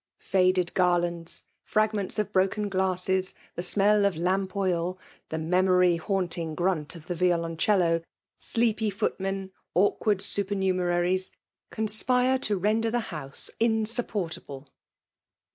Faded garlanda, fragments of broken glasses^ the smell of lampK>i]y the niemory haantittg grant of the viok>Hcello^ sleepy footmen^ awir* ward sopennuneraries— conspire to render fh<6 home insnpportable.